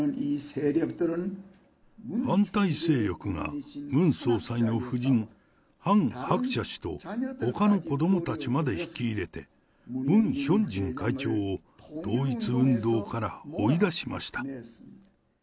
反対勢力が、ムン総裁の夫人、ハン・ハクチャ氏とほかの子どもたちまで引き入れて、ムン・ヒョンジン会長を統一運動から追い出しました。